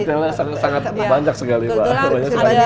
detailnya sangat banyak sekali mbak